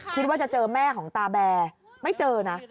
คิดว่าจะเจอแม่ของตาแบร์ไม่เจอนะ